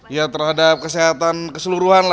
ya terhadap kesehatan keseluruhan lah